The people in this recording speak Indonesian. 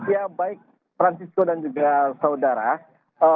ya baik francisco dan juga saudara